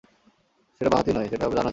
সেটা বাঁ-হাতি নয় সেটা ডান-হাতি।